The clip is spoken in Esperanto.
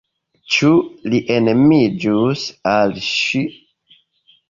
Ĉu li enamiĝus al ŝi?